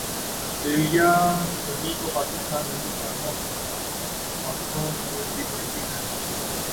سٹریلیا رمی کو پاکستان رمی کے ہاتھوں پہلے ٹی ٹوئنٹی میچ میں شکست